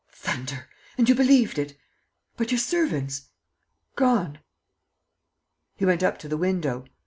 "Thunder! And you believed it? ... But your servants?" "Gone." He went up to the window.